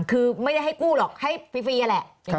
คือไม่ได้ให้กู้หรอกให้ฟรีนั่นแหละ